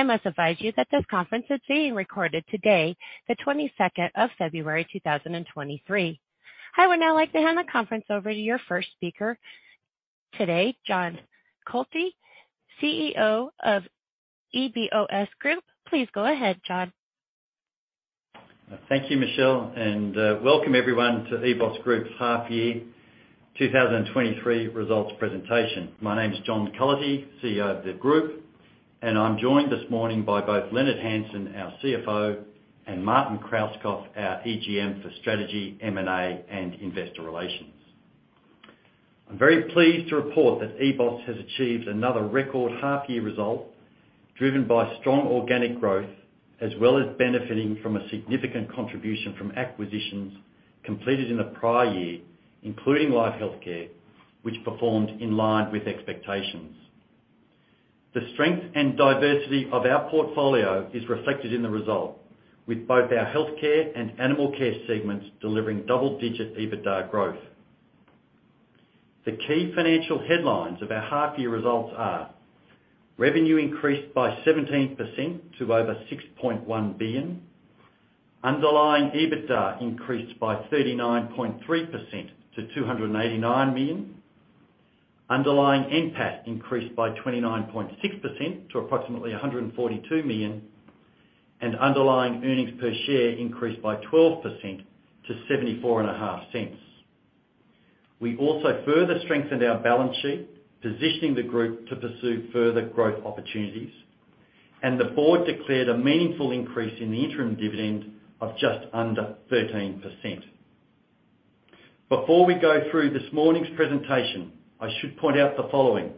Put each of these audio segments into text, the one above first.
I must advise you that this conference is being recorded today, the 22nd of February, 2023. I would now like to hand the conference over to your first speaker today, John Cullity, CEO of EBOS Group. Please go ahead, John. Thank you Michelle, welcome everyone to EBOS Group's half year 2023 results presentation. My name is John Cullity, CEO of the group, and I'm joined this morning by both Leonard Hansen, our CFO, and Martin Krauskopf, our EGM for Strategy, M&A, and Investor Relations. I'm very pleased to report that EBOS has achieved another record half year result driven by strong organic growth, as well as benefiting from a significant contribution from acquisitions completed in the prior year, including Life Healthcare, which performed in line with expectations. The strength and diversity of our portfolio is reflected in the result, with both our healthcare and animal care segments delivering double-digit EBITDA growth. The key financial headlines of our half year results are: revenue increased by 17% to over 6.1 billion, underlying EBITDA increased by 39.3% to 289 million, underlying NPAT increased by 29.6% to approximately 142 million, underlying earnings per share increased by 12% to 0.745. We also further strengthened our balance sheet, positioning the group to pursue further growth opportunities, the board declared a meaningful increase in the interim dividend of just under 13%. Before we go through this morning's presentation, I should point out the following.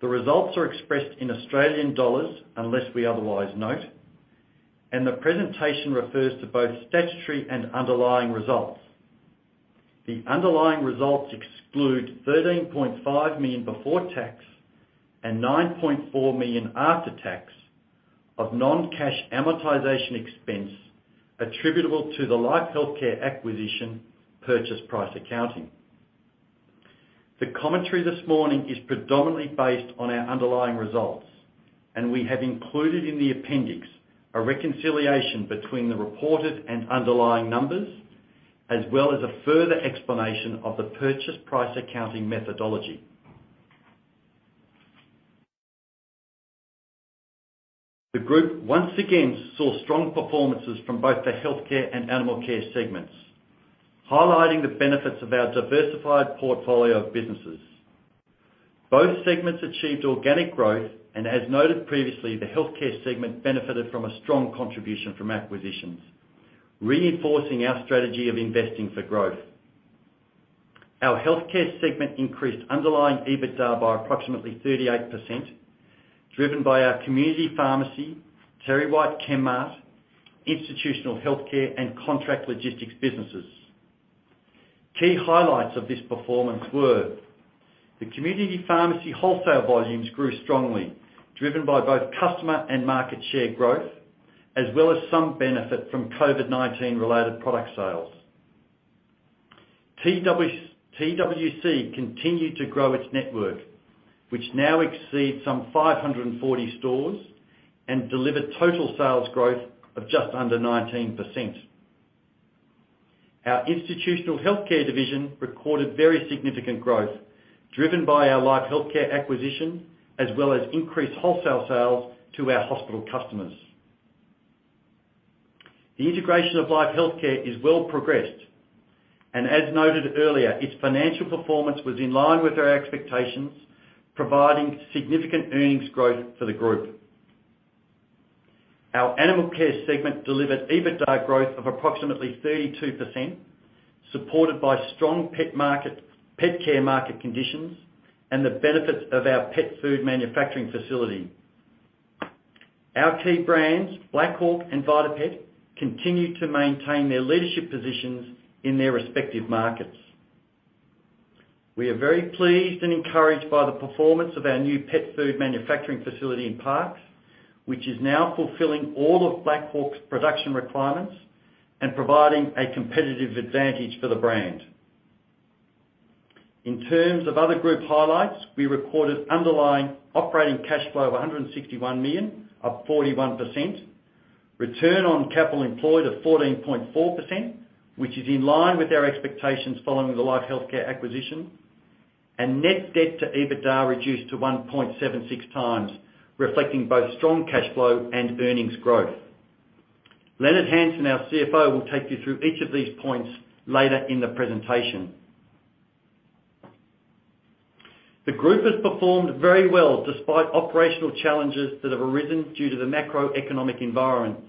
The results are expressed in Australian dollars, unless we otherwise note, the presentation refers to both statutory and underlying results. The underlying results exclude 13.5 million before tax and 9.4 million after tax of non-cash amortization expense attributable to the Life Healthcare acquisition purchase price accounting. The commentary this morning is predominantly based on our underlying results, and we have included in the appendix a reconciliation between the reported and underlying numbers, as well as a further explanation of the purchase price accounting methodology. The group once again saw strong performances from both the healthcare and animal care segments, highlighting the benefits of our diversified portfolio of businesses. Both segments achieved organic growth, and as noted previously, the healthcare segment benefited from a strong contribution from acquisitions, reinforcing our strategy of investing for growth. Our healthcare segment increased underlying EBITDA by approximately 38%, driven by our community pharmacy, TerryWhite Chemmart, institutional healthcare and contract logistics businesses. Key highlights of this performance were: the community pharmacy wholesale volumes grew strongly, driven by both customer and market share growth, as well as some benefit from COVID-19-related product sales. TWC continued to grow its network, which now exceeds some 540 stores and delivered total sales growth of just under 19%. Our institutional healthcare division recorded very significant growth driven by our Life Healthcare acquisition, as well as increased wholesale sales to our hospital customers. The integration of Life Healthcare is well progressed, and as noted earlier, its financial performance was in line with our expectations, providing significant earnings growth for the group. Our animal care segment delivered EBITDA growth of approximately 32%, supported by strong pet market, pet care market conditions and the benefits of our pet food manufacturing facility. Our key brands, Black Hawk and VitaPet, continue to maintain their leadership positions in their respective markets. We are very pleased and encouraged by the performance of our new pet food manufacturing facility in Parkes, which is now fulfilling all of Black Hawk's production requirements and providing a competitive advantage for the brand. In terms of other group highlights, we recorded underlying operating cash flow of $161 million, up 41%, ROCE of 14.4%, which is in line with our expectations following the Life Healthcare acquisition, and net debt to EBITDA reduced to 1.76 times, reflecting both strong cash flow and earnings growth. Leonard Hansen, our CFO, will take you through each of these points later in the presentation. The group has performed very well despite operational challenges that have arisen due to the macroeconomic environment.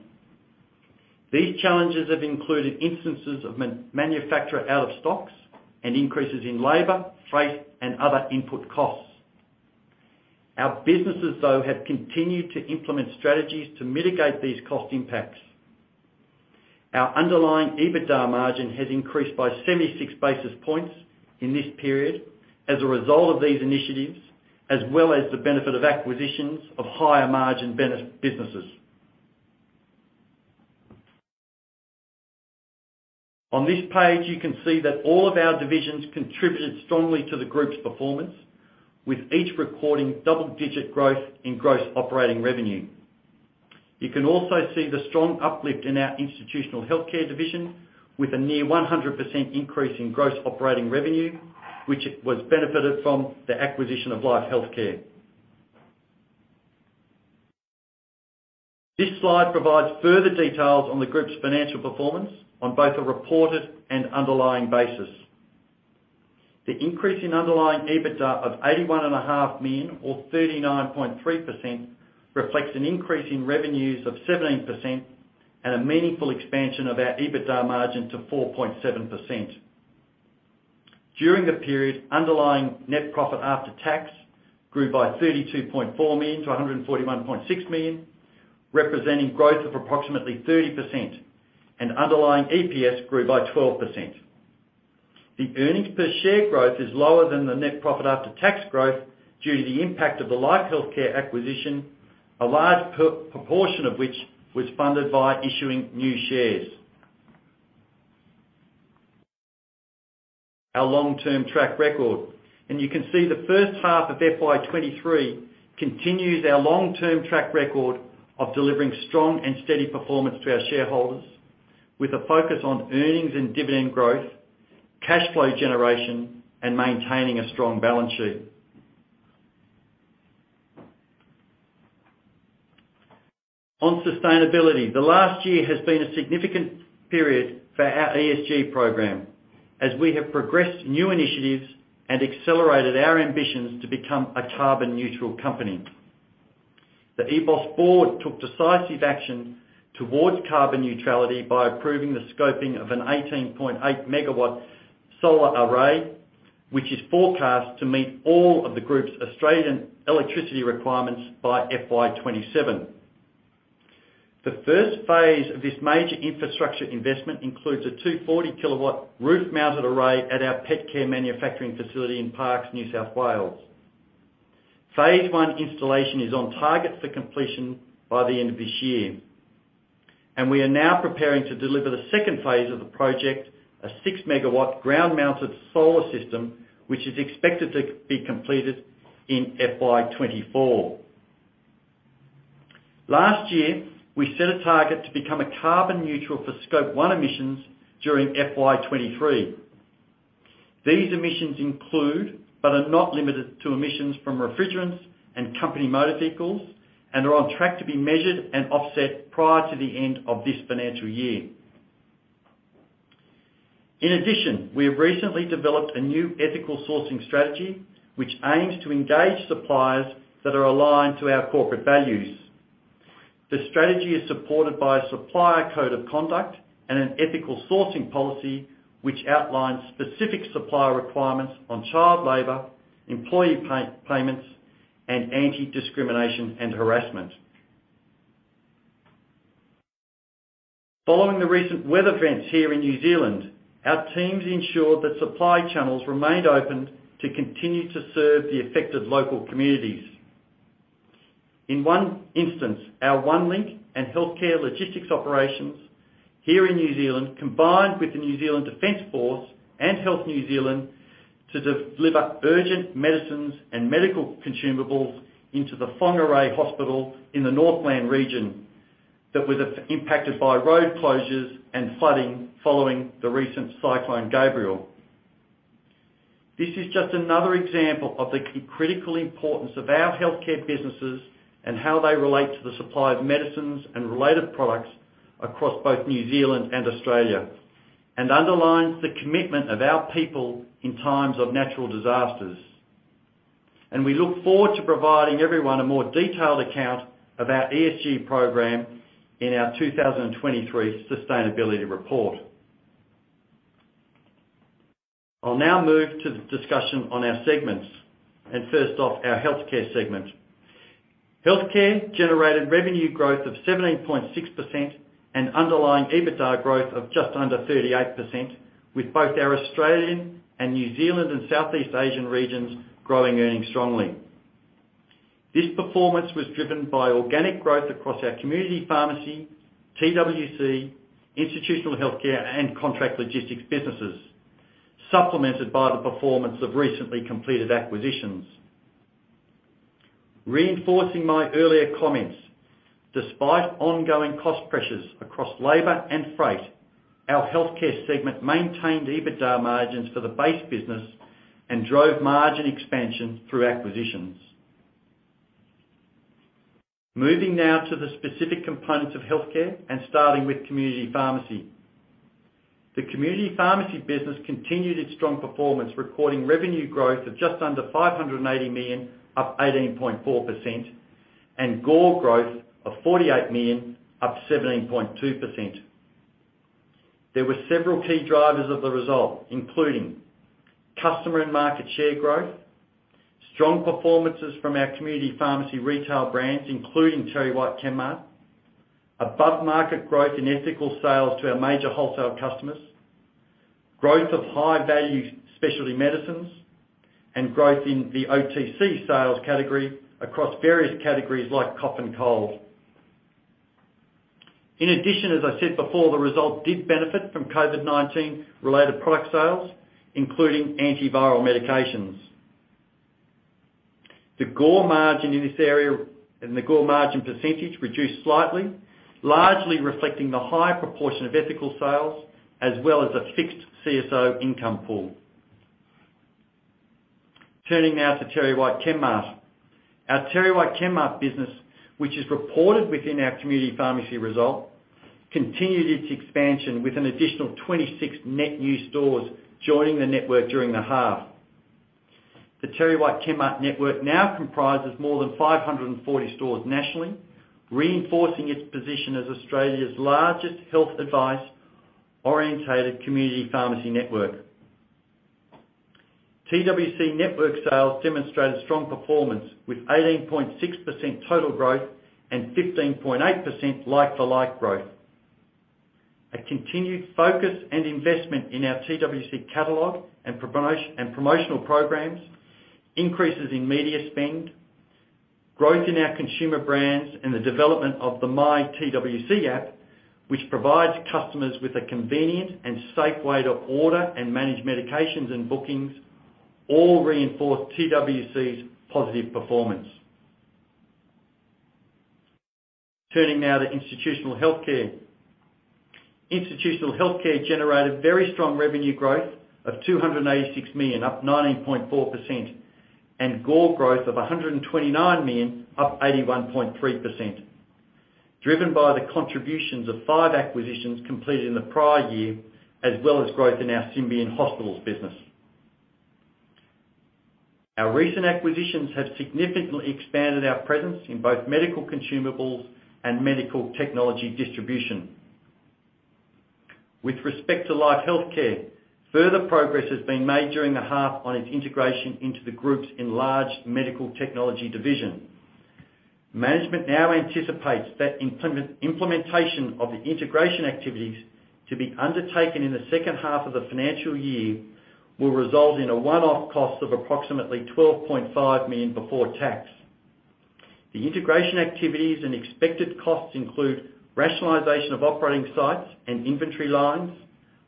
These challenges have included instances of manufacture out of stocks and increases in labor, freight, and other input costs. Our businesses, though, have continued to implement strategies to mitigate these cost impacts. Our underlying EBITDA margin has increased by 76 basis points in this period as a result of these initiatives, as well as the benefit of acquisitions of higher margin businesses. On this page, you can see that all of our divisions contributed strongly to the group's performance, with each recording double-digit growth in gross operating revenue. You can also see the strong uplift in our institutional healthcare division with a near 100% increase in gross operating revenue, which was benefited from the acquisition of Life Healthcare. This slide provides further details on the group's financial performance on both a reported and underlying basis. The increase in underlying EBITDA of 81.5 million or 39.3% reflects an increase in revenues of 17% and a meaningful expansion of our EBITDA margin to 4.7%. During the period, underlying net profit after tax grew by 32.4 million to 141.6 million, representing growth of approximately 30% and underlying EPS grew by 12%. The earnings per share growth is lower than the net profit after tax growth due to the impact of the Life Healthcare acquisition, a large proportion of which was funded by issuing new shares. Our long-term track record, and you can see the H1 of FY 2023 continues our long-term track record of delivering strong and steady performance to our shareholders with a focus on earnings and dividend growth, cash flow generation, and maintaining a strong balance sheet. On sustainability, the last year has been a significant period for our ESG program, as we have progressed new initiatives and accelerated our ambitions to become a carbon neutral company. The EBOS board took decisive action towards carbon neutrality by approving the scoping of an 18.8 MW solar array, which is forecast to meet all of the group's Australian electricity requirements by FY 2027. The first phase of this major infrastructure investment includes a 240 kW roof-mounted array at our pet care manufacturing facility in Parkes, New South Wales. Phase one installation is on target for completion by the end of this year. We are now preparing to deliver the second phase of the project, a 6 MW ground-mounted solar system, which is expected to be completed in FY 2024. Last year, we set a target to become a carbon neutral for scope one emissions during FY 2023. These emissions include, but are not limited to, emissions from refrigerants and company motor vehicles and are on track to be measured and offset prior to the end of this financial year. In addition, we have recently developed a new ethical sourcing strategy, which aims to engage suppliers that are aligned to our corporate values. The strategy is supported by a supplier code of conduct and an ethical sourcing policy, which outlines specific supplier requirements on child labor, employee payments, and anti-discrimination and harassment. Following the recent weather events here in New Zealand, our teams ensured that supply channels remained open to continue to serve the affected local communities. In one instance, our Onelink and Healthcare Logistics operations here in New Zealand, combined with the New Zealand Defence Force and Health New Zealand to deliver urgent medicines and medical consumables into the Whangārei Hospital in the Northland region that was impacted by road closures and flooding following the recent Cyclone Gabrielle. This is just another example of the critical importance of our healthcare businesses and how they relate to the supply of medicines and related products across both New Zealand and Australia, and underlines the commitment of our people in times of natural disasters. We look forward to providing everyone a more detailed account of our ESG program in our 2023 sustainability report. I'll now move to the discussion on our segments. First off, our healthcare segment. Healthcare generated revenue growth of 17.6% and underlying EBITDA growth of just under 38% with both our Australian and New Zealand and Southeast Asian regions growing earnings strongly. This performance was driven by organic growth across our community pharmacy, TWC, institutional healthcare, and contract logistics businesses, supplemented by the performance of recently completed acquisitions. Reinforcing my earlier comments, despite ongoing cost pressures across labor and freight, our healthcare segment maintained EBITDA margins for the base business and drove margin expansion through acquisitions. Moving now to the specific components of healthcare and starting with community pharmacy. The community pharmacy business continued its strong performance, recording revenue growth of just under 580 million, up 18.4%, and GORE growth of 48 million, up 17.2%. There were several key drivers of the result, including customer and market share growth, strong performances from our community pharmacy retail brands, including TerryWhite Chemmart, above-market growth in ethical sales to our major wholesale customers. Growth of high value specialty medicines and growth in the OTC sales category across various categories like cough and cold. In addition, as I said before, the result did benefit from COVID-19 related product sales, including antiviral medications. The GORE margin in this area, and the GORE margin percentage reduced slightly, largely reflecting the higher proportion of ethical sales as well as a fixed CSO income pool. Turning now to TerryWhite Chemmart. Our TerryWhite Chemmart business, which is reported within our community pharmacy result, continued its expansion with an additional 26 net new stores joining the network during the half. The TerryWhite Chemmart network now comprises more than 540 stores nationally, reinforcing its position as Australia's largest health advice-orientated community pharmacy network. TWC network sales demonstrated strong performance with 18.6% total growth and 15.8% like-for-like growth. A continued focus and investment in our TWC catalog and promotional programs, increases in media spend, growth in our consumer brands, and the development of the myTWC app, which provides customers with a convenient and safe way to order and manage medications and bookings, all reinforce TWC's positive performance. Turning now to Institutional Healthcare. Institutional Healthcare generated very strong revenue growth of 286 million, up 19.4%, and GORE growth of 129 million, up 81.3%, driven by the contributions of five acquisitions completed in the prior year, as well as growth in our Symbion Hospitals business. Our recent acquisitions have significantly expanded our presence in both medical consumables and medical technology distribution. With respect to Life Healthcare, further progress has been made during the half on its integration into the group's enlarged medical technology division. Management now anticipates that implementation of the integration activities to be undertaken in the H2 of the financial year will result in a one-off cost of approximately 12.5 million before tax. The integration activities and expected costs include rationalization of opera ting sites and inventory lines,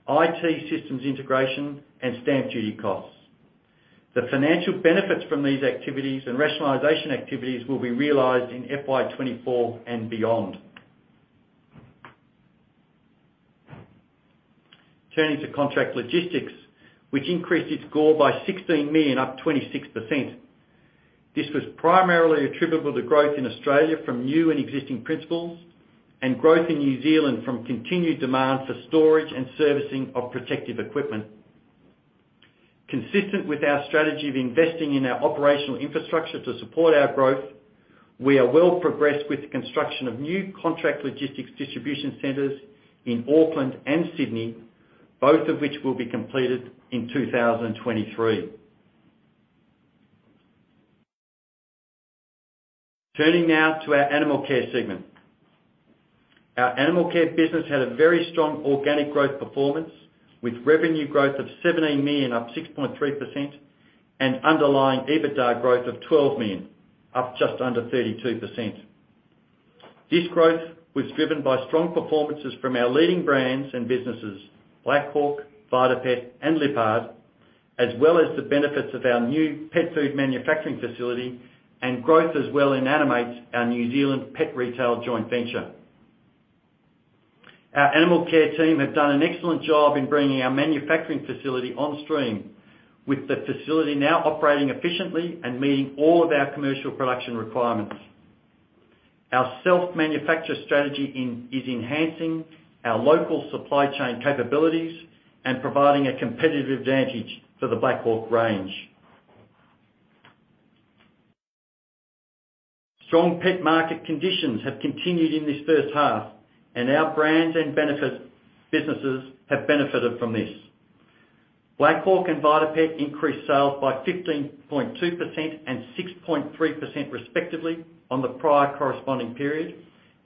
IT systems integration, and stamp duty costs. The financial benefits from these activities and rationalization activities will be realized in FY 2024 and beyond. Turning to Contract Logistics, which increased its GORE by 16 million, up 26%. This was primarily attributable to growth in Australia from new and existing principals, and growth in New Zealand from continued demand for storage and servicing of protective equipment. Consistent with our strategy of investing in our operational infrastructure to support our growth, we are well progressed with the construction of new Contract Logistics distribution centers in Auckland and Sydney, both of which will be completed in 2023. Turning now to our Animal Care segment. Our Animal Care business had a very strong organic growth performance, with revenue growth of 17 million, up 6.3%, and underlying EBITDA growth of 12 million, up just under 32%. This growth was driven by strong performances from our leading brands and businesses, Black Hawk, VitaPet, and Lyppard, as well as the benefits of our new pet food manufacturing facility and growth as well in Animates, our New Zealand pet retail joint venture. Our Animal Care team have done an excellent job in bringing our manufacturing facility on stream, with the facility now operating efficiently and meeting all of our commercial production requirements. Our self-manufacture strategy is enhancing our local supply chain capabilities and providing a competitive advantage for the Black Hawk range. Strong pet market conditions have continued in this H1, our brands and benefit businesses have benefited from this. Black Hawk and VitaPet increased sales by 15.2% and 6.3% respectively on the prior corresponding period,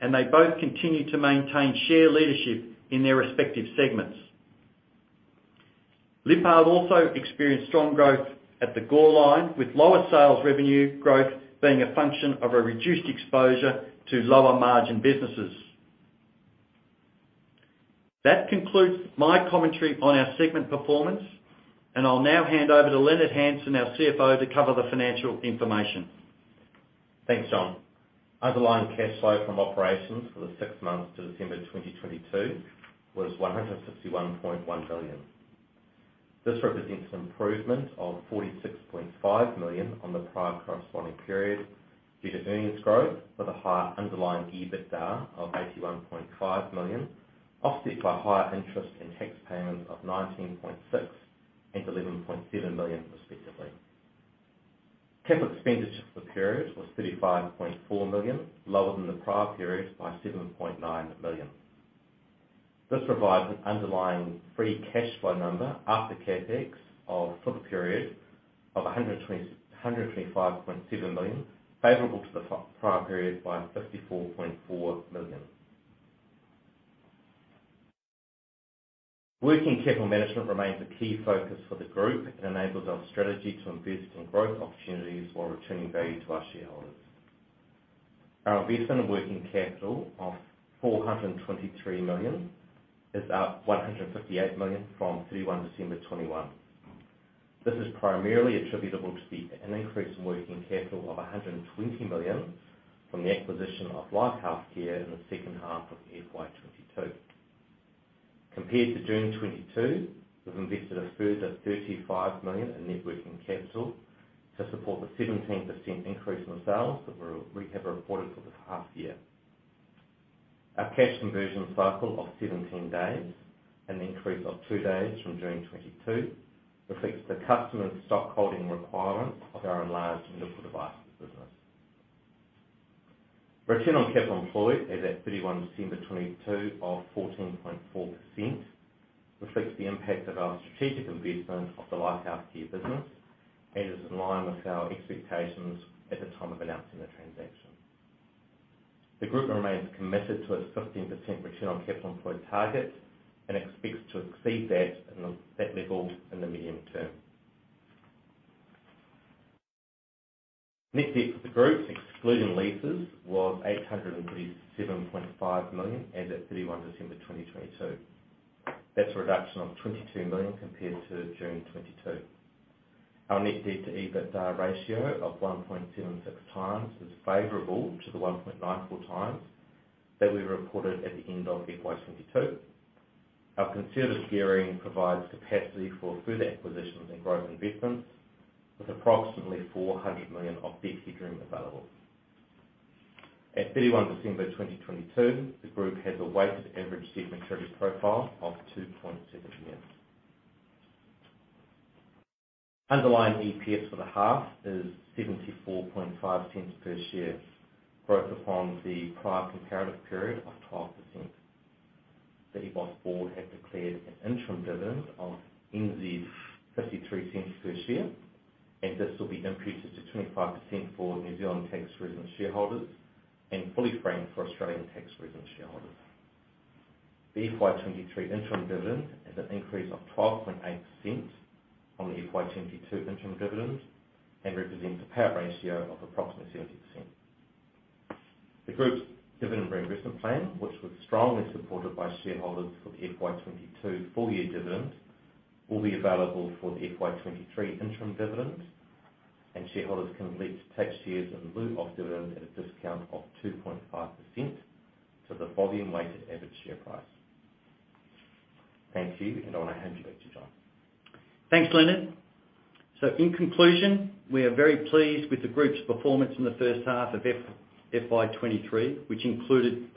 and they both continued to maintain share leadership in their respective segments. Lyppard also experienced strong growth at the GORE line, with lower sales revenue growth being a function of a reduced exposure to lower margin businesses. That concludes my commentary on our segment performance. I'll now hand over to Leonard Hansen, our CFO, to cover the financial information. Thanks John. Underlying cash flow from operations for the six months to December 2022 was 161.1 million. This represents an improvement of 46.5 million on the prior corresponding period due to earnings growth with a higher underlying EBITDA of 81.5 million, offset by higher interest and tax payments of 19.6 million and 11.7 million respectively. CapEx for the period was 35.4 million, lower than the prior period by 7.9 million. This provides an underlying free cash flow number after CapEx of 125.7 million, favorable to the prior period by 54.4 million. Working capital management remains a key focus for the group. It enables our strategy to invest in growth opportunities while returning value to our shareholders. Our investment in working capital of 423 million is up 158 million from December 31, 2021. This is primarily attributable to an increase in working capital of 120 million from the acquisition of Life Healthcare in the H2 of FY22. Compared to June 2022, we've invested a further 35 million in net working capital to support the 17% increase in sales that we have reported for the past year. Our cash conversion cycle of 17 days, an increase of two days from June 2022, reflects the customer's stock holding requirements of our enlarged Medical Devices business. Return on capital employed as at December 31, 2022, of 14.4% reflects the impact of our strategic investment of the Life Healthcare business and is in line with our expectations at the time of announcing the transaction. The group remains committed to its 15% return on capital employed target and expects to exceed that level in the medium term. Net debt for the group, excluding leases, was 837.5 million as at 31 December 2022. That's a reduction of 22 million compared to June 2022. Our net debt to EBITDA ratio of 1.76x is favorable to the 1.94x that we reported at the end of FY 2022. Our conservative gearing provides capacity for further acquisitions and growth investments with approximately 400 million of debt headroom available. At 31 December 2022, the group has a weighted average debt maturity profile of 2.7 years. Underlying EPS for the half is 0.745 per share, growth upon the prior comparative period of 12%. The EBOS board have declared an interim dividend of 0.53 per share, and this will be imputed to 25% for New Zealand tax resident shareholders and fully franked for Australian tax resident shareholders. The FY 2023 interim dividend is an increase of 12.8% on the FY 2022 interim dividend and represents a payout ratio of approximately 30%. The group's dividend reinvestment plan, which was strongly supported by shareholders for the FY 2022 full-year dividend, will be available for the FY 2023 interim dividend, and shareholders can elect to take shares in lieu of dividends at a discount of 2.5% to the volume-weighted average share price. Thank you, and I want to hand you back to John. Thanks Leonard. In conclusion, we are very pleased with the group's performance in the H1 of FY 2023, which included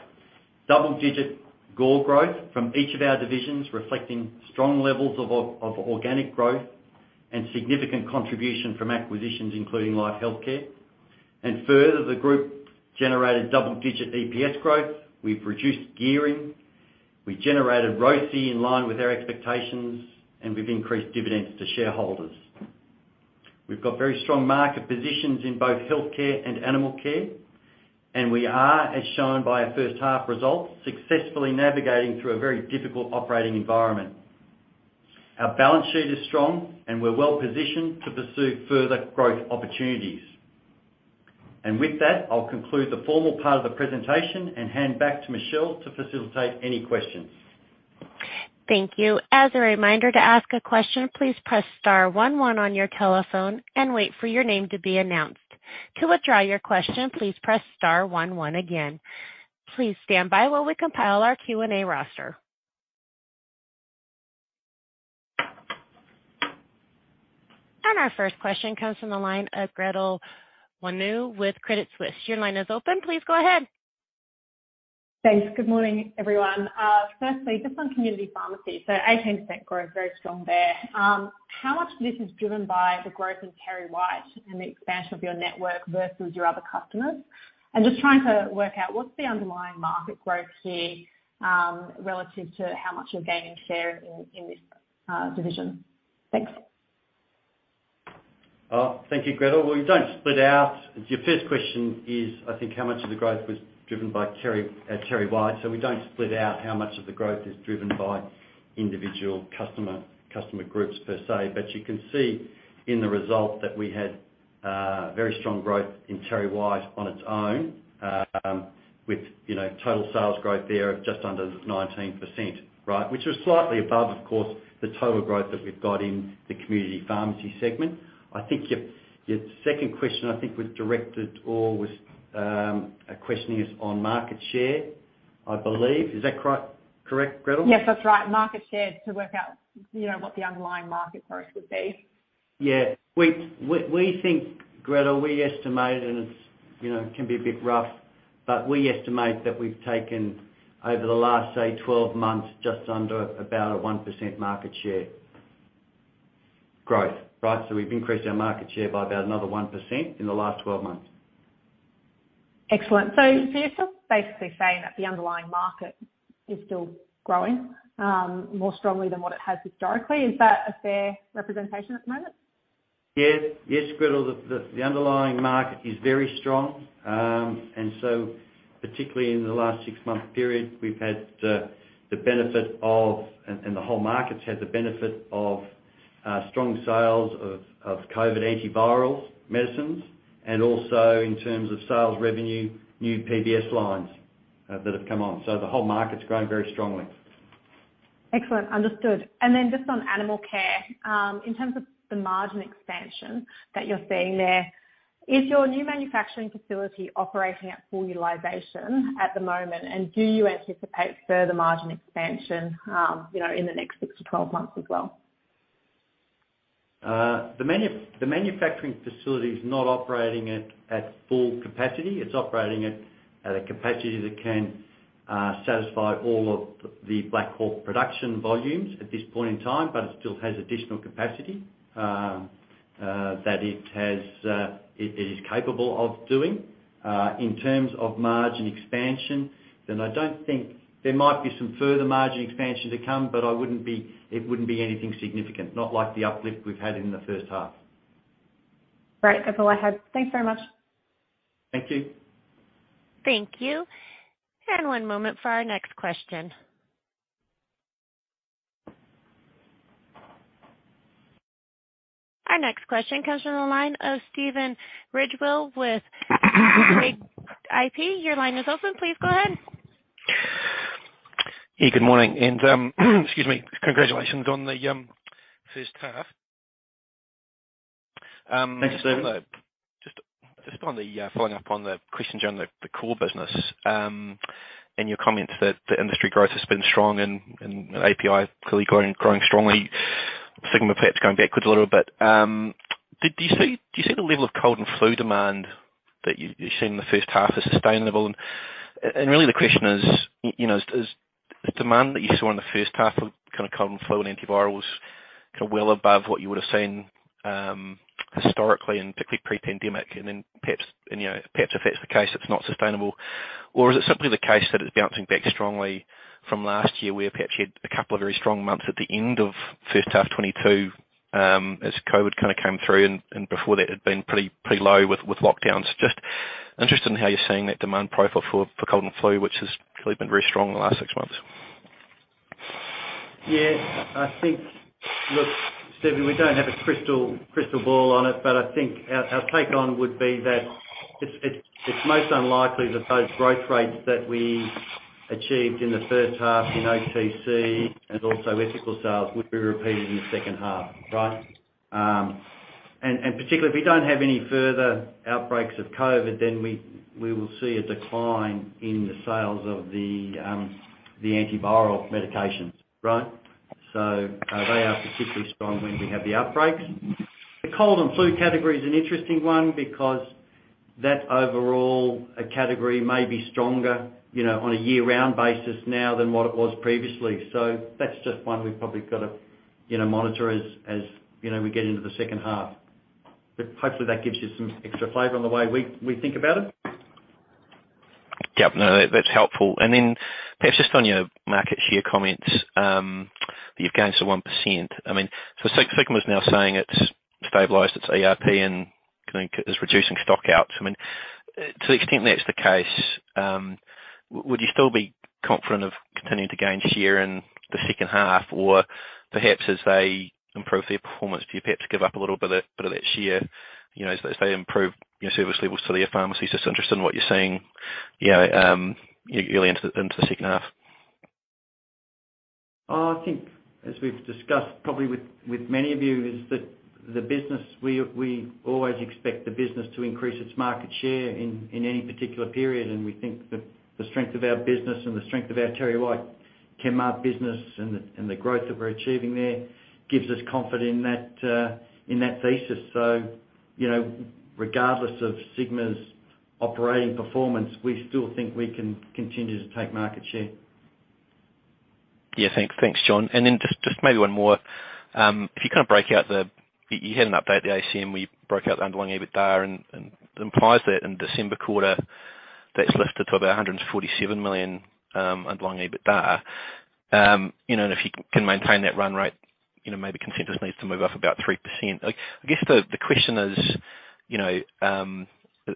double-digit GORE growth from each of our divisions, reflecting strong levels of organic growth and significant contribution from acquisitions, including Life Healthcare. Further, the group generated double-digit EPS growth. We've reduced gearing. We generated ROCE in line with our expectations. We've increased dividends to shareholders. We've got very strong market positions in both healthcare and animal care. We are, as shown by our H1 results, successfully navigating through a very difficult operating environment. Our balance sheet is strong, and we're well-positioned to pursue further growth opportunities. With that, I'll conclude the formal part of the presentation and hand back to Michelle to facilitate any questions. Thank you. As a reminder to ask a question, please press star one one on your telephone and wait for your name to be announced. To withdraw your question, please press star one one again. Please stand by while we compile our Q&A roster. Our first question comes from the line of Gretel Janu with Credit Suisse. Your line is open. Please go ahead. Thanks. Good morning, everyone. firstly, just on Community Pharmacy. 18% growth, very strong there. How much of this is driven by the growth in TerryWhite and the expansion of your network versus your other customers? Just trying to work out what's the underlying market growth here, relative to how much you're gaining share in this division? Thanks. Thank you Gretel. Well, we don't split out. Your first question is, I think, how much of the growth was driven by TerryWhite. We don't split out how much of the growth is driven by individual customer groups per se. You can see in the result that we had very strong growth in TerryWhite on its own, with, you know, total sales growth there of just under 19%, right? Which is slightly above, of course, the total growth that we've got in the Community Pharmacy segment. I think your second question, I think, was directed or was a question on market share, I believe. Is that correct, Gretel? Yes, that's right. Market share to work out, you know, what the underlying market growth would be. Yeah. We think, Gretel, we estimate, and it's, you know, can be a bit rough, but we estimate that we've taken over the last, say, 12 months, just under about a 1% market share growth, right? We've increased our market share by about another 1% in the last 12 months. Excellent. You're still basically saying that the underlying market is still growing more strongly than what it has historically. Is that a fair representation at the moment? Yes. Yes, Gretel. The underlying market is very strong. Particularly in the last six-month period, we've had the benefit of the whole market's had the benefit of strong sales of COVID antiviral medicines, and also in terms of sales revenue, new PBS lines that have come on. The whole market's growing very strongly. Excellent. Understood. Just on animal care, in terms of the margin expansion that you're seeing there, is your new manufacturing facility operating at full utilization at the moment? Do you anticipate further margin expansion, you know, in the next six to 12 months as well? The manufacturing facility is not operating at full capacity. It's operating at a capacity that can satisfy all of the Black Hawk production volumes at this point in time, but it still has additional capacity that it has it is capable of doing. In terms of margin expansion, I don't think there might be some further margin expansion to come, but it wouldn't be anything significant, not like the uplift we've had in the H1. Right. That's all I had. Thanks very much. Thank you. Thank you. One moment for our next question. Our next question comes from the line of Stephen Ridgewell with IP. Your line is open. Please go ahead. Yeah, good morning, and excuse me, congratulations on the H1. Thanks Stephen. Just on the following up on the questions on the core business, and your comments that the industry growth has been strong and API clearly growing strongly. Sigma perhaps going backwards a little bit. Did you see, do you see the level of cold and flu demand that you're seeing in the H1 as sustainable? Really the question is, you know, is the demand that you saw in the H1 of cold and flu and antivirals well above what you would've seen historically and particularly pre-pandemic? Perhaps, you know, perhaps if that's the case, it's not sustainable. Is it simply the case that it's bouncing back strongly from last year, where perhaps you had a couple of very strong months at the end of H1 2022, as COVID kind of came through, and before that had been pretty low with lockdowns? Just interested in how you're seeing that demand profile for cold and flu, which has really been very strong in the last six months. I think, look Stephen, we don't have a crystal ball on it, but I think our take on would be that it's most unlikely that those growth rates that we achieved in the H1 in OTC and also ethical sales would be repeated in the H2, right? Particularly if we don't have any further outbreaks of COVID, then we will see a decline in the sales of the antiviral medications, right? They are particularly strong when we have the outbreaks. The cold and flu category is an interesting one because that overall category may be stronger, you know, on a year-round basis now than what it was previously. That's just one we've probably got to, you know, monitor as, you know, we get into the H2. Hopefully, that gives you some extra flavor on the way we think about it. Yeah. No, that's helpful. Perhaps just on your market share comments, that you've gained to 1%. Sigma's now saying it's stabilized its ERP and is reducing stock outs. To the extent that's the case, would you still be confident of continuing to gain share in the H2? Perhaps as they improve their performance, do you perhaps give up a little bit of that share, you know, as they, as they improve your service levels to their pharmacies? Just interested in what you're seeing, you know, early into the, into the H2. I think as we've discussed probably with many of you, is that the business we always expect the business to increase its market share in any particular period. We think that the strength of our business and the strength of our TerryWhite Chemmart business and the growth that we're achieving there gives us confidence in that in that thesis. you know, regardless of Sigma's operating performance, we still think we can continue to take market share. Yeah. Thanks. Thanks John. Just, just maybe one more. If you kind of break out the, you had an update at the AGM where you broke out the underlying EBITDA and it implies that in December quarter, that's lifted to about 147 million underlying EBITDA. You know, and if you can maintain that run rate, you know, maybe consensus needs to move up about 3%. I guess the question is, you know, are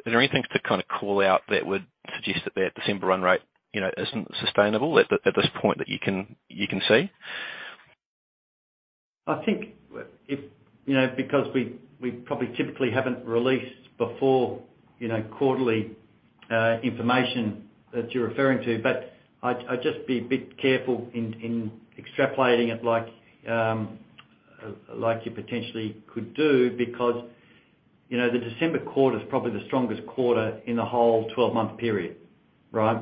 there any things to kind of call out that would suggest that December run rate, you know, isn't sustainable at this point that you can see? I think if, you know, because we probably typically haven't released before, you know, quarterly information that you're referring to. I'd just be a bit careful in extrapolating it like you potentially could do because, you know, the December quarter is probably the strongest quarter in the whole 12-month period, right?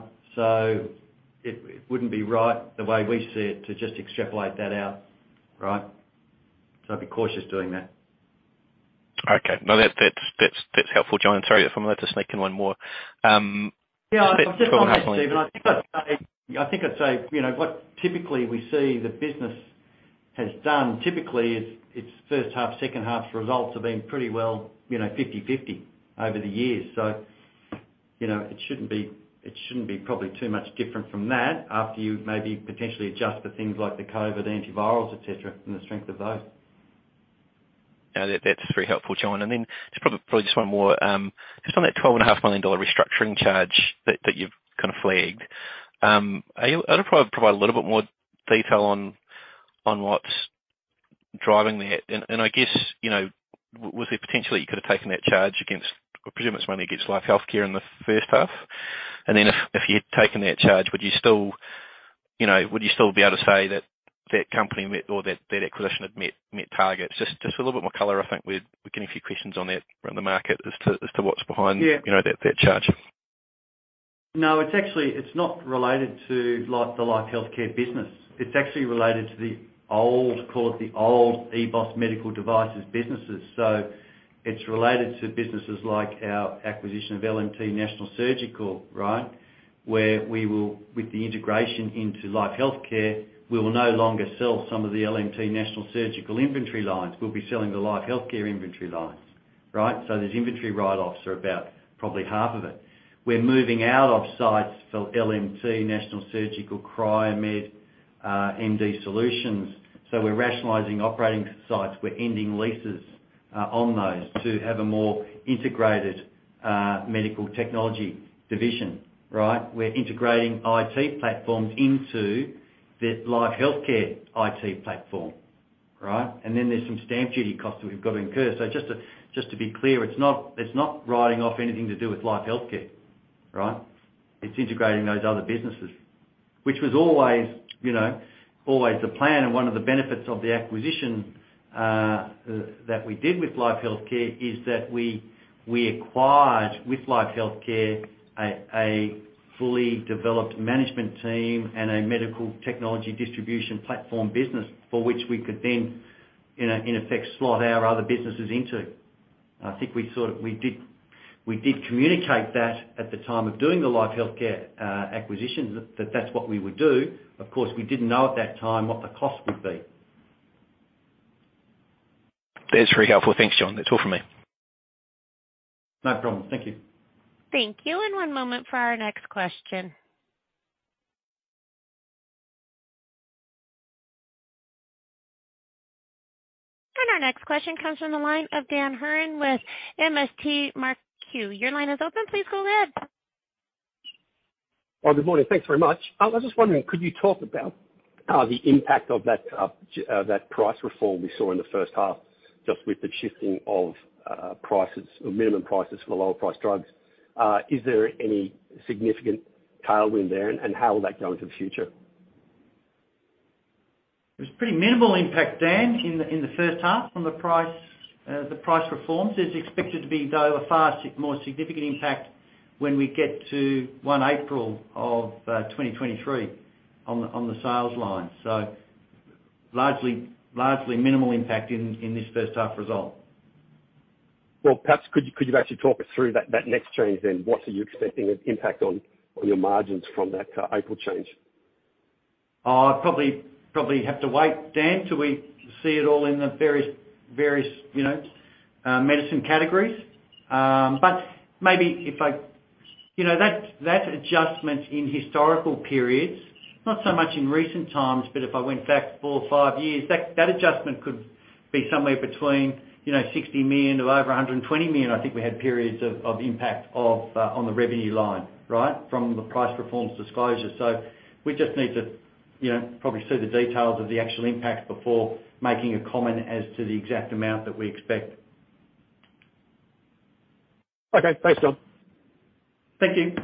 It wouldn't be right the way we see it to just extrapolate that out, right? I'd be cautious doing that. Okay. No. That, that's helpful John. Sorry if I'm allowed to sneak in one more. Yeah. I'll just jump on that Stephen. I think I'd say, you know, what typically we see the business has done. Typically, its H1, H2 results have been pretty well, you know, 50/50 over the years. You know, it shouldn't be probably too much different from that after you maybe potentially adjust for things like the COVID antivirals, et cetera, and the strength of those. Yeah, that's very helpful John Cullity. Just one more, just on that $ 12.5 million restructuring charge that you've kind of flagged. I'd probably provide a little bit more detail on what's driving that. I guess, you know, was there potentially you could have taken that charge against, I presume it's mainly against Life Healthcare in the H1. if you'd taken that charge, would you still, you know, would you still be able to say that that company or that acquisition had met targets? Just a little bit more color. I think we're getting a few questions on that from the market as to what's behind. Yeah. You know, that charge. No, it's actually not related to Life, the Life Healthcare business. It's actually related to the old, call it the old EBOS Medical Devices businesses. It's related to businesses like our acquisition of LMT National Surgical, right? Where we will, with the integration into Life Healthcare, we will no longer sell some of the LMT National Surgical inventory lines. We'll be selling the Life Healthcare inventory lines, right? Those inventory write-offs are about probably half of it. We're moving out of sites for LMT National Surgical Cryomed, MD Solutions. We're rationalizing operating sites. We're ending leases on those to have a more integrated medical technology division, right? We're integrating IT platforms into the Life Healthcare IT platform, right? There's some stamp duty costs that we've got to incur. Just to be clear, it's not writing off anything to do with Life Healthcare, right? It's integrating those other businesses. Which was always, you know, always the plan and one of the benefits of the acquisition, that we did with Life Healthcare is that we acquired, with Life Healthcare, a fully developed management team and a medical technology distribution platform business for which we could then, in effect, slot our other businesses into. I think we did communicate that at the time of doing the Life Healthcare acquisition that that's what we would do. Of course, we didn't know at that time what the cost would be. That's very helpful. Thanks John. That's all for me. No problem. Thank you. Thank you. One moment for our next question. Our next question comes from the line of Dan Hearn with MST Marquee. Your line is open. Please go ahead. Well, good morning. Thanks very much. I was just wondering, could you talk about the impact of that price reform we saw in the H1, just with the shifting of prices or minimum prices for the lower priced drugs? Is there any significant tailwind there, and how will that go into the future? It was pretty minimal impact, Dan, in the H1 from the price reforms. There's expected to be, though, a far more significant impact when we get to 1 April of 2023 on the sales line. Largely minimal impact in this H1 result. Well, perhaps could you actually talk us through that next change then? What are you expecting an impact on your margins from that April change? I'd probably have to wait, Dan, till we see it all in the various, you know, medicine categories. Maybe. You know, that adjustment in historical periods, not so much in recent times, but if I went back four or five years, that adjustment could be somewhere between, you know, 60 million to over 120 million, I think we had periods of impact on the revenue line, right? From the price performance disclosure. We just need to, you know, probably see the details of the actual impact before making a comment as to the exact amount that we expect. Okay. Thanks John. Thank you.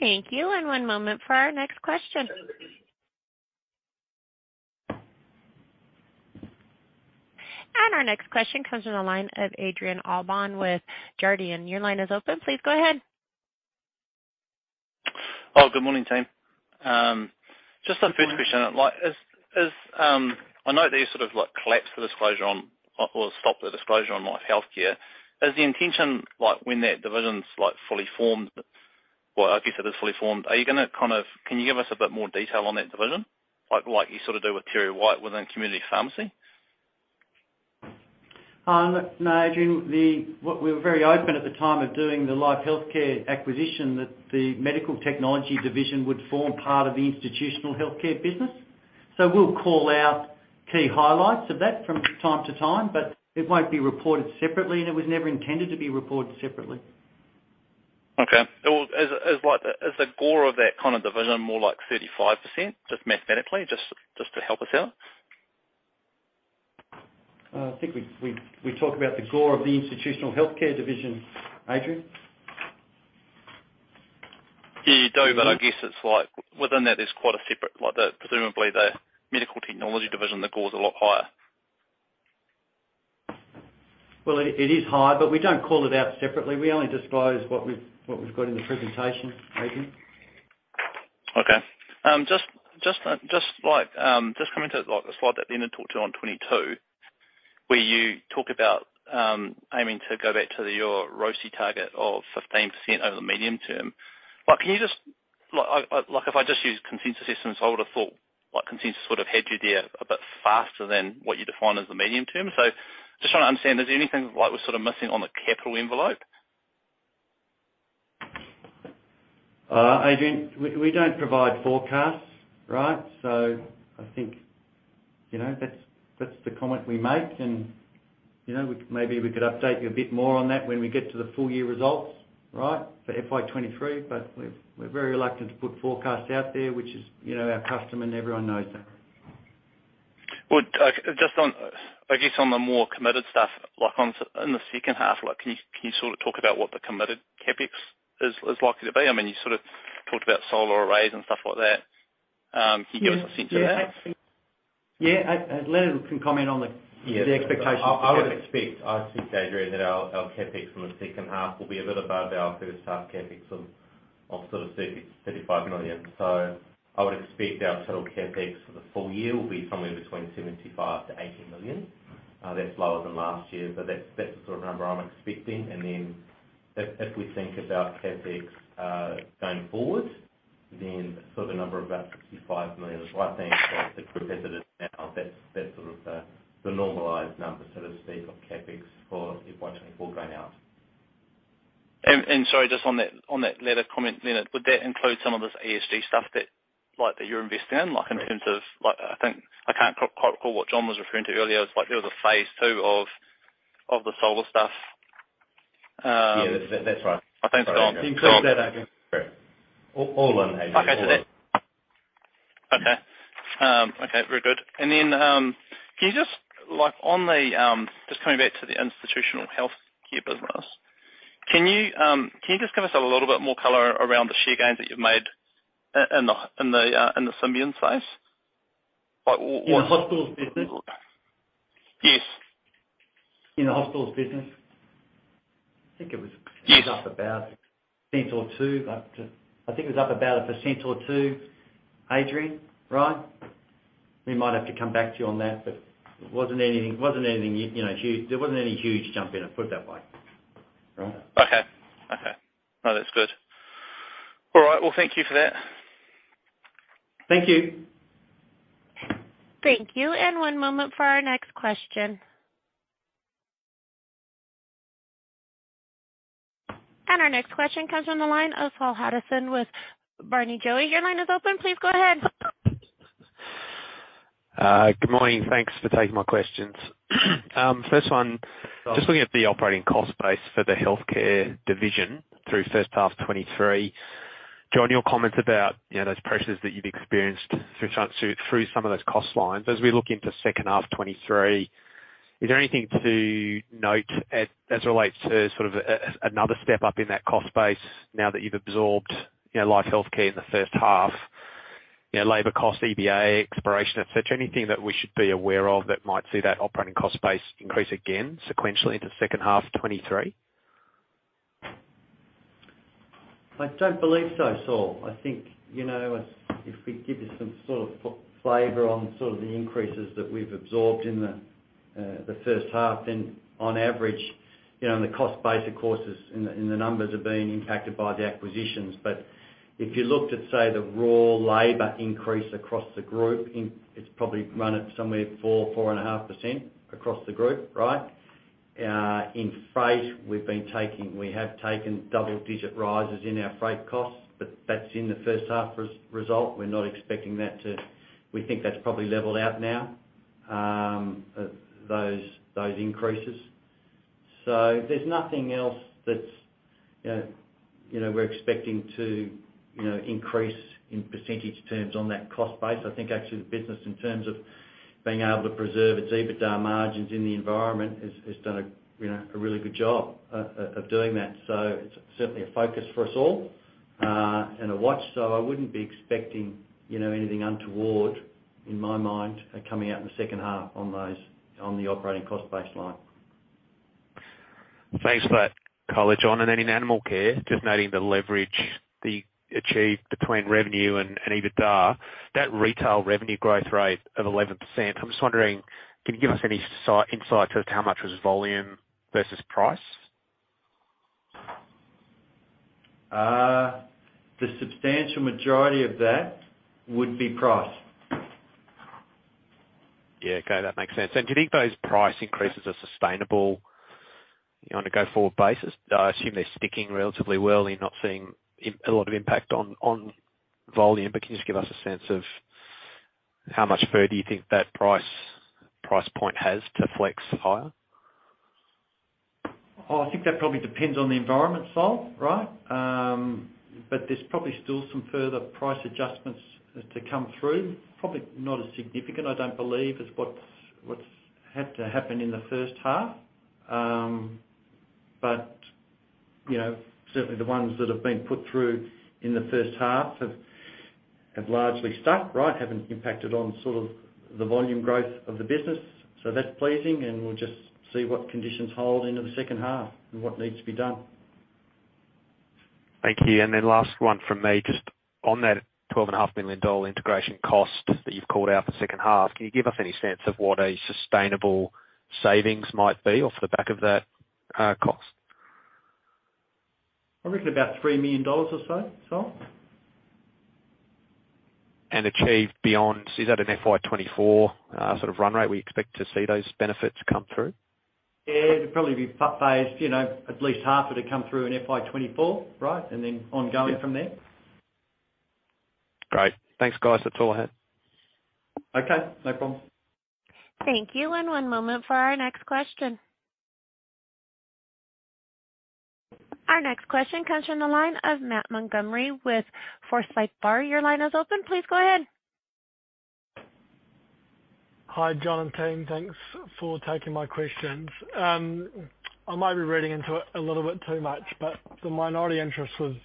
Thank you. One moment for our next question. Our next question comes from the line of Adrian Allbon with Jarden. Your line is open. Please go ahead. Oh, good morning team. Just on first question. Good morning. Like, I know that you sort of like collapsed the disclosure on or stopped the disclosure on Life Healthcare. Is the intention, like when that division's like fully formed, or I guess it is fully formed? Can you give us a bit more detail on that division, like you sort of do with TerryWhite within Community Pharmacy? No, Adrian. We were very open at the time of doing the Life Healthcare acquisition that the medical technology division would form part of the institutional healthcare business. We'll call out key highlights of that from time to time, but it won't be reported separately, and it was never intended to be reported separately. Okay. Well, as like, as the GORE of that kind of division more like 35%? Just mathematically, just to help us out. I think we talked about the GORE of the institutional healthcare division, Adrian. Yeah, you do. Mm-hmm. I guess it's within that, there's quite a separate presumably the Medical Technology Division, the GORE is a lot higher. Well, it is higher, but we don't call it out separately. We only disclose what we've got in the presentation, Adrian. Okay. Just coming to, like, the slide at the end it talked to on 2022. Where you talk about aiming to go back to your ROCE target of 15% over the medium term. Can you just? Like if I just use consensus systems, I would have thought, like, consensus would have had you there a bit faster than what you define as the medium term. Just trying to understand, is there anything, like, we're sort of missing on the capital envelope? Adrian, we don't provide forecasts, right? I think, you know, that's the comment we make. You know, maybe we could update you a bit more on that when we get to the full year results, right, for FY 2023. We're very reluctant to put forecasts out there, which is, you know, our custom, and everyone knows that. Just on, I guess, on the more committed stuff, like on in the H2, like, can you sort of talk about what the committed CapEx is likely to be? I mean, you sort of talked about solar arrays and stuff like that. Can you give us a sense of. Yeah. Yeah. as Leonard can comment on theT Yeah. The expectation. I would expect, I think, Adrian, that our CapEx in the H2 will be a bit above our H1 CapEx of sort of $30 million-$35 million. I would expect our total CapEx for the full year will be somewhere between $75 million-$80 million. That's lower than last year, but that's the sort of number I'm expecting. If we think about CapEx going forward, then sort of a number of about $65 million is what I think now that's sort of the normalized number, so to speak, of CapEx for FY 2024 going out. Sorry, just on that Leonard comment. Leonard, would that include some of this ESG stuff that, like, that you're investing in, like, in terms of, like, I think I can't quite recall what John was referring to earlier. It's like there was a phase II of the solar stuff. Yeah. That's right. I think, John. Includes that, Adrian. All in, Adrian. All in. Okay to that. Okay. Okay, very good. Then, can you just, like, on the Just coming back to the institutional healthcare business, can you, can you just give us a little bit more color around the share gains that you've made in the, in the, in the Symbion space? Like? In the hospitals business? Yes. In the hospitals business? Yes. I think it was up about 1% or 2%, Adrian, right? We might have to come back to you on that, but it wasn't anything, you know, huge. There wasn't any huge jump in, I'd put it that way. Right. Okay. That's good. Well, thank you for that. Thank you. Thank you. One moment for our next question. Our next question comes from the line of Saul Hadassin with Barrenjoey. Your line is open. Please go ahead. Good morning. Thanks for taking my questions. First one. Saul. Just looking at the operating cost base for the healthcare division through H1 2023. John, your comments about, you know, those pressures that you've experienced through some of those cost lines. As we look into H2 2023, is there anything to note as relates to sort of another step-up in that cost base now that you've absorbed, you know, Life Healthcare in the H1? You know, labor costs, EBA, expiration and such. Anything that we should be aware of that might see that operating cost base increase again sequentially into H2 2023? I don't believe so, Saul. I think, you know, if we give you some sort of flavor on sort of the increases that we've absorbed in the H1, on average, you know, the cost base of course is in the, and the numbers are being impacted by the acquisitions. If you looked at, say, the raw labor increase across the group, it's probably run at somewhere 4.5% across the group, right? In freight, we have taken double digit rises in our freight costs, but that's in the H1 result. We're not expecting that. We think that's probably leveled out now, those increases. There's nothing else that's, you know, you know, we're expecting to, you know, increase in percentage terms on that cost base. I think actually the business, in terms of being able to preserve its EBITDA margins in the environment, has done a, you know, a really good job of doing that. It's certainly a focus for us all and a watch. I wouldn't be expecting, you know, anything untoward, in my mind, coming out in the H2 on those, on the operating cost base line. Thanks for that color John. In animal care, just noting the leverage being achieved between revenue and EBITDA, that retail revenue growth rate of 11%, I'm just wondering, can you give us any insight to how much was volume versus price? The substantial majority of that would be price. Yeah. Okay, that makes sense. Do you think those price increases are sustainable on a go-forward basis? I assume they're sticking relatively well and you're not seeing a lot of impact on volume. Can you just give us a sense of how much further you think that price point has to flex higher? Well, I think that probably depends on the environment, Saul, right? There's probably still some further price adjustments to come through. Probably not as significant, I don't believe, as what's had to happen in the H1. You know, certainly the ones that have been put through in the H1 have largely stuck, right? Haven't impacted on sort of the volume growth of the business. That's pleasing, and we'll just see what conditions hold into the H2 and what needs to be done. Thank you. Last one from me, just on that $12.5 million integration cost that you've called out for H2, can you give us any sense of what a sustainable savings might be off the back of that cost? I reckon about 3 million dollars or so. Achieved beyond, is that an FY 2024 sort of run rate, we expect to see those benefits come through? Yeah. It'd probably be phased, you know, at least half of it come through in FY 2024, right? Then ongoing from there. Great. Thanks, guys. That's all I had. Okay, no problem. Thank you. One moment for our next question. Our next question comes from the line of Matt Montgomerie with Forsyth Barr. Your line is open. Please go ahead. Hi, John and team. Thanks for taking my questions. I might be reading into it a little bit too much, but the minority interest was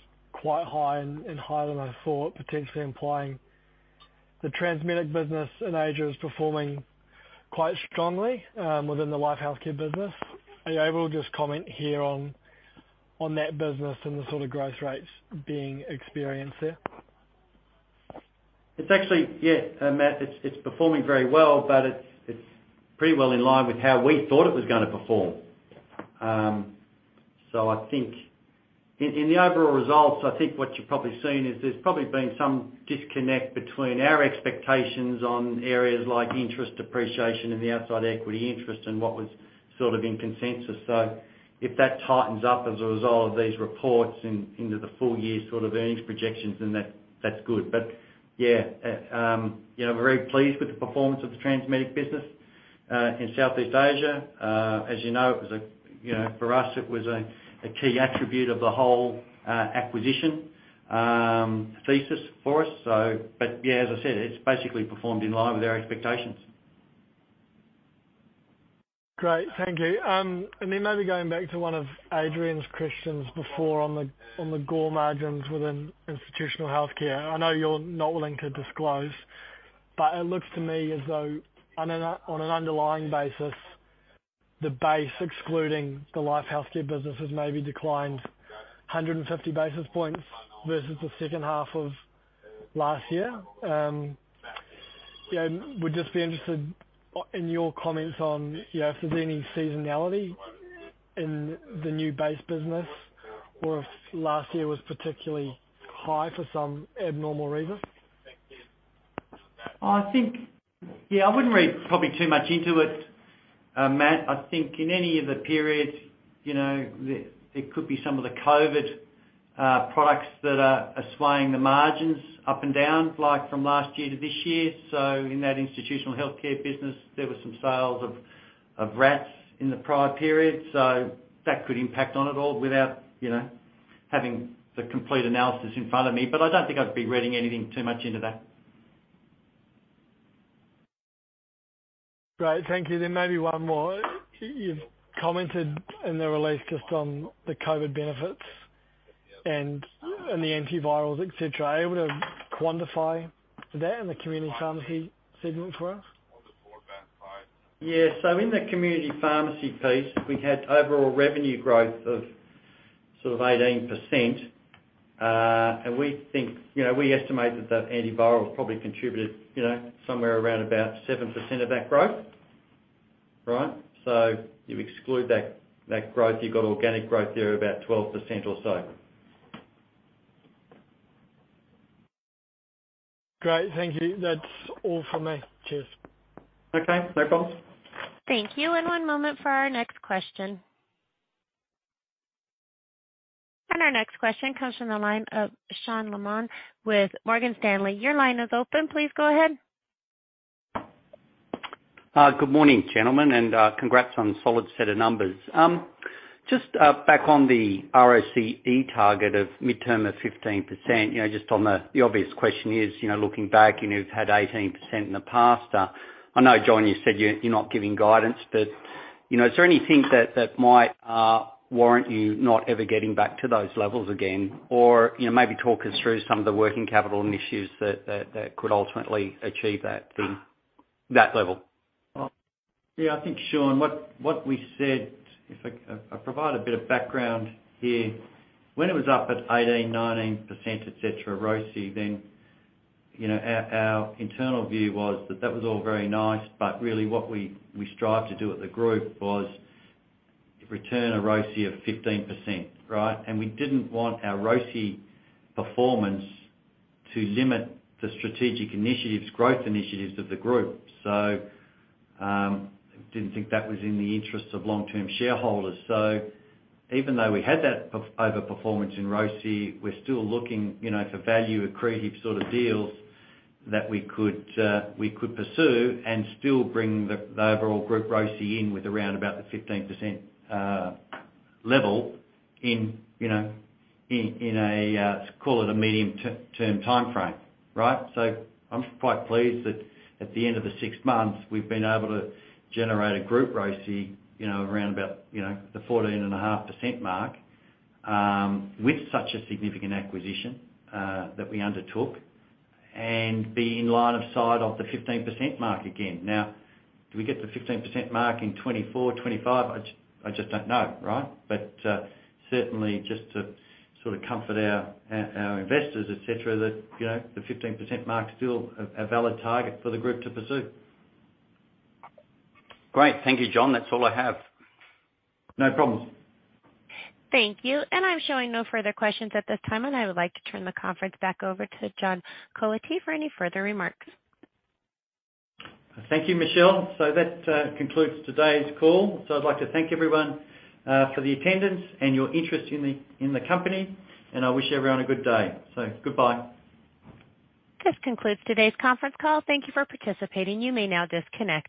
quite high and higher than I thought, potentially implying the Transmedic business in Asia is performing quite strongly within the Life Healthcare business. Are you able to just comment here on that business and the sort of growth rates being experienced there? Actually, yeah, Matt, it's performing very well, but it's pretty well in line with how we thought it was gonna perform. I think in the overall results, I think what you've probably seen is there's probably been some disconnect between our expectations on areas like interest depreciation and the outside equity interest and what was sort of in consensus. If that tightens up as a result of these reports into the full year sort of earnings projections, then that's good. Yeah, you know, we're very pleased with the performance of the Transmedic business in Southeast Asia. As you know, it was a, for us it was a key attribute of the whole acquisition thesis for us. Yeah, as I said, it's basically performed in line with our expectations. Great. Thank you. Then maybe going back to one of Adrian Allbon's questions before on the GORE margins within Institutional Healthcare. I know you're not willing to disclose, but it looks to me as though on an underlying basis, the base, excluding the Life Healthcare businesses maybe declined 150 basis points versus the H2 of last year. You know, would just be interested in your comments on, you know, if there's any seasonality in the new base business or if last year was particularly high for some abnormal reason. I think, yeah, I wouldn't read probably too much into it, Matt. I think in any of the periods, you know, there could be some of the COVID products that are swaying the margins up and down, like from last year to this year. In that Institutional Healthcare business, there were some sales of RATs in the prior period, so that could impact on it all without, you know, having the complete analysis in front of me. I don't think I'd be reading anything too much into that. Great. Thank you. Maybe one more. You've commented in the release just on the COVID benefits and the antivirals, et cetera. Are you able to quantify that in the community pharmacy segment for us? Yeah. In the community pharmacy piece, we had overall revenue growth of sort of 18%. We think, you know, we estimate that the antiviral probably contributed, you know, somewhere around about 7% of that growth, right? You exclude that growth, you've got organic growth there of about 12% or so. Great. Thank you. That's all from me. Cheers. Okay, no problem. Thank you. One moment for our next question. Our next question comes from the line of Sean Laaman with Morgan Stanley. Your line is open. Please go ahead. Good morning, gentlemen, and congrats on the solid set of numbers. Just back on the ROCE target of midterm of 15%, you know, just on the obvious question is, you know, looking back, you know, you've had 18% in the past. I know, John, you said you're not giving guidance, but, you know, is there anything that might warrant you not ever getting back to those levels again? You know, maybe talk us through some of the working capital and issues that could ultimately achieve that thing, that level? Yeah, I think, Sean, what we said, if I provide a bit of background here. When it was up at 18%, 19%, et cetera, ROCE, then, you know, our internal view was that that was all very nice, but really what we strived to do at the group was return a ROCE of 15%, right? We didn't want our ROCE performance to limit the strategic initiatives, growth initiatives of the group. Didn't think that was in the interests of long-term shareholders. Even though we had that overperformance in ROCE, we're still looking, you know, for value accretive sort of deals that we could pursue and still bring the overall group ROCE in with around about the 15% level in, you know, in a, let's call it a medium term timeframe, right? I'm quite pleased that at the end of the six months we've been able to generate a group ROCE, you know, around about, you know, the 14.5% mark with such a significant acquisition that we undertook, and be in line of sight of the 15% mark again. Do we get to 15% mark in 2024, 2025? I just don't know. Certainly just to sort of comfort our investors, et cetera, that, you know, the 15% mark is still a valid target for the group to pursue. Great. Thank you John. That's all I have. No problems. Thank you. I'm showing no further questions at this time. I would like to turn the conference back over to John Cullity for any further remarks. Thank you, Michelle. That concludes today's call. I'd like to thank everyone for the attendance and your interest in the company, and I wish everyone a good day. Goodbye. This concludes today's conference call. Thank you for participating. You may now disconnect.